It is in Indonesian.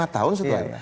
lima tahun setelah ini